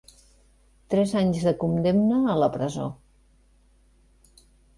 Tres anys de condemna a la presó.